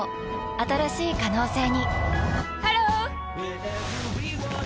新しい可能性にハロー！